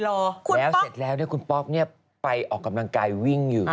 แล้วเสร็จแล้วคุณป๊อกเนี่ยไปออกกำลังกายวิ่งอยู่